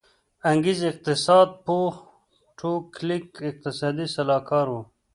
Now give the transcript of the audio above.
انګرېز اقتصاد پوه ټو کلیک اقتصادي سلاکار و.